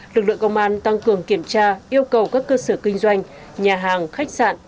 lực lượng công an tăng cường kiểm tra yêu cầu các cơ sở kinh doanh nhà hàng khách sạn